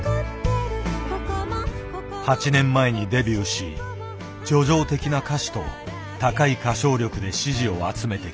８年前にデビューし叙情的な歌詞と高い歌唱力で支持を集めてきた。